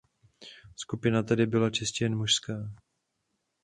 Skupina tedy byla čistě jen mužská.